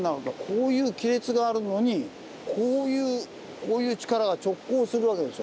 こういう亀裂があるのにこういうこういう力が直交するわけでしょう。